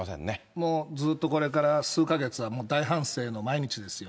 もうずっとこれから数か月はもう、大反省の毎日ですよ。